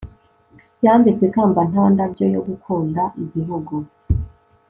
Yambitswe ikamba nta ndabyo yo gukunda igihugu